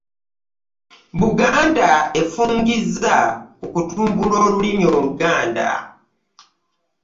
Buganda efungizza ku kutumbila olulimi oluganda